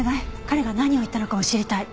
彼が何を言ったのかも知りたい。